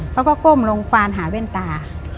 เขาก็ก้มลงควานหาเว้นตา